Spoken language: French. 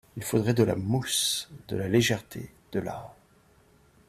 Il faudrait, de la mousse… de la légèreté… de la…